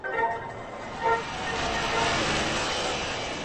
o په پردي پرتاگه کونه نه پټېږي.